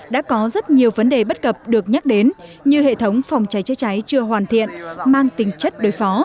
đã có rất nhiều vấn đề bất cập được nhắc đến như hệ thống phòng cháy chữa cháy chưa hoàn thiện mang tính chất đối phó